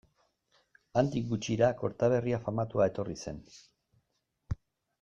Handik gutxira, Kortaberria famatua etorri zen.